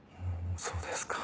そうですか。